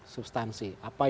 substansi apa yang